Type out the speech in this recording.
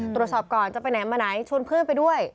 ตรวจสอบก่อนจะไปไหนมาไหนชวนเพื่อนไปด้วย